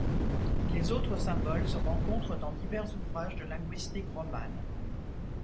Les autres symboles se rencontrent dans divers ouvrages de linguistique romane.